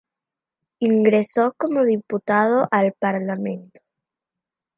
Ingresó como diputado al Parlamento.